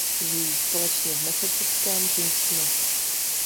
Žijí společně v massachusettském Kingstonu.